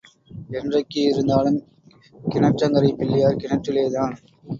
என்றைக்கு இருந்தாலும் கிணற்றங்கரைப் பிள்ளையார் கிணற்றிலேதான்.